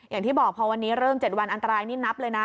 อย่างที่บอกพอวันนี้เริ่ม๗วันอันตรายนี่นับเลยนะ